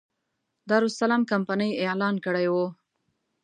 دارالسلام کمپنۍ اعلان کړی و.